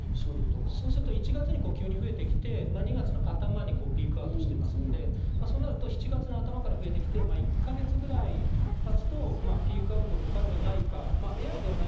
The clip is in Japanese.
それと１月に急に増えてきて、２月の頭にピークアウトしてますので、そうなると７月の頭から増えてきて１か月ぐらい経つとピークアウトを迎えるのではないか。